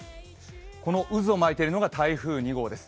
この渦を巻いているのが台風２号です。